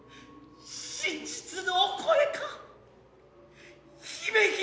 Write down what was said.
真実のお声か姫君。